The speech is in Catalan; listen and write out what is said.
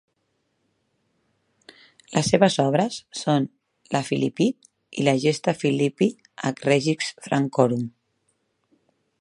Les seves obres són la "Philippide" i la "Gesta Philippi H. regis Francorum".